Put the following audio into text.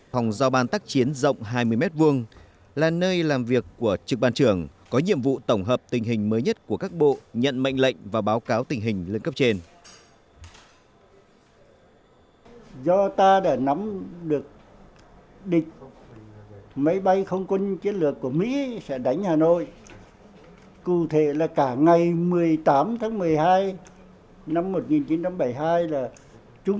phòng giao ban tác chiến rộng hai mươi m hai là nơi làm việc của trực ban trưởng có nhiệm vụ tổng hợp tình hình mới nhất của các bộ nhận mệnh lệnh và báo cáo tình hình lên cấp trên